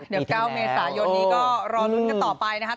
เดี๋ยว๙เมษายนนี้ก็รอลุ้นกันต่อไปนะครับ